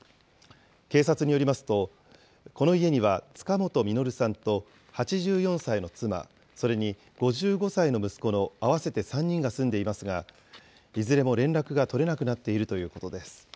警察によりますと、この家には塚本実さんと８４歳の妻、それに５５歳の息子の合わせて３人が住んでいますが、いずれも連絡が取れなくなっているということです。